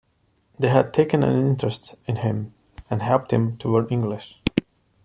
They had taken an interest in him and helped him to learn English.